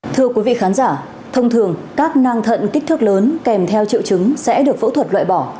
thưa quý vị khán giả thông thường các nang thận kích thước lớn kèm theo triệu chứng sẽ được phẫu thuật loại bỏ